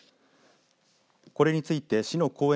これについて市の公園